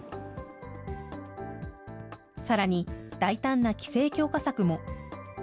さらに、大胆な規制強化策も。